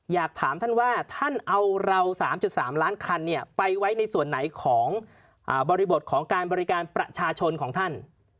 อยากถามท่านว่าท่านเอาเรา๓๓ล้านคันไปไว้ในส่วนไหนของบริบทของการบริการประชาชนของท่าน